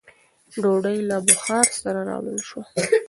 ډوډۍ له بخاره سره راوړل شوه.